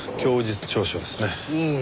うん。